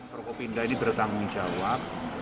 porpimda ini bertanggung jawab